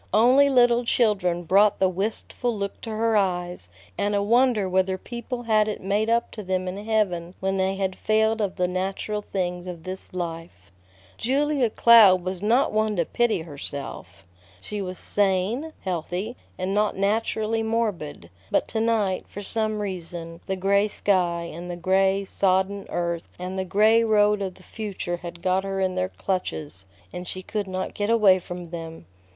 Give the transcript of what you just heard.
Only little children brought the wistful look to her eyes, and a wonder whether people had it made up to them in heaven when they had failed of the natural things of this life. Julia Cloud was not one to pity herself. She was sane, healthy, and not naturally morbid; but to night, for some reason, the gray sky, and the gray, sodden earth, and the gray road of the future had got her in their clutches, and she could not get away from them.